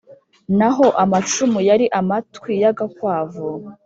naho amacumu yari amatwi y'agakwavu.